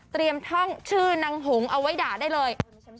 ท่องชื่อนางหงเอาไว้ด่าได้เลย